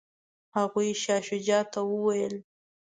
هغوی شاه شجاع ته وویل.